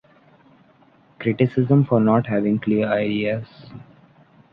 Criticism for not having clear ideas.